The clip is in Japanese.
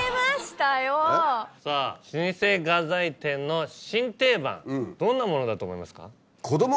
さぁ老舗画材店の新定番どんなものだと思いますか？